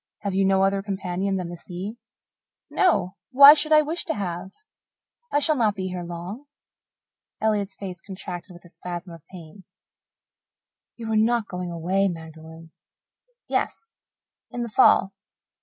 Have you no other companion than the sea?" "No. Why should I wish to have? I shall not be here long." Elliott's face contracted with a spasm of pain. "You are not going away, Magdalen?" "Yes in the fall.